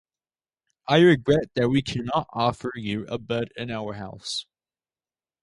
I regret that we cannot offer you a bed in our house.